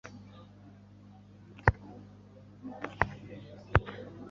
cyangwa kwicisha abamubangamiye mubye.